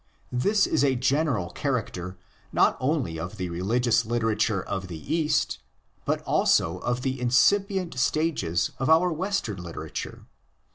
This is a general character not only of the religious literature of the East, but also of the incipient stages of our Western literature.